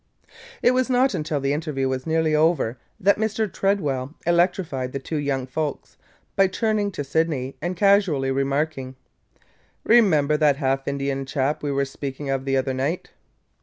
It was not until the interview was nearly over that Mr. Tredwell electrified the two young folks by turning to Sydney and casually remarking: "Remember that half Indian chap we were speaking of the other night?